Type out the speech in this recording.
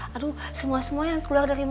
aduh semua semua yang keluar dari mulu